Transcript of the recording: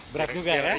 berat juga ya